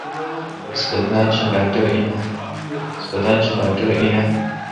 ہسپتال شی ڈاکٹر این آ?